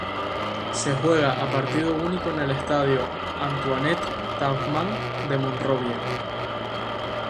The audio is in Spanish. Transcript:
Se juega a partido único en el Estadio Antoinette Tubman de Monrovia.